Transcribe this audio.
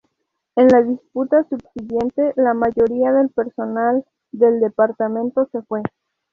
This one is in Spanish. En la disputa subsiguiente, la mayoría del personal del departamento se fue.